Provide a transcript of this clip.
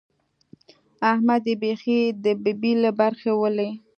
احمد يې بېخي د ببۍ له برجه ولي.